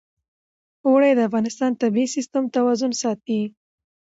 اوړي د افغانستان د طبعي سیسټم توازن ساتي.